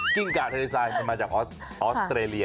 คือกิ้งกาเทอร์ไซน์มาจากออสเตรเลีย